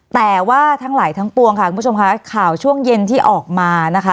แต่ว่าทั้งหลายทั้งปวงค่ะคุณผู้ชมค่ะข่าวช่วงเย็นที่ออกมานะคะ